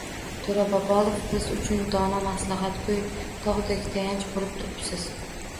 To‘ra Bobolov: Biz uchun dono maslahatgo‘y, tog‘dek tayanch bo‘lib turibsiz